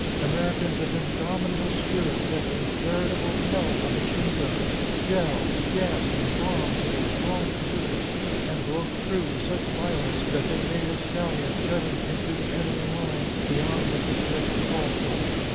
Americans of indomitable spirit met a veritable hell of machine guns, shells, gas, and bombs in a strong position, and broke through with such violence that they made a salient jutting into the enemy line beyond what the schedule called for."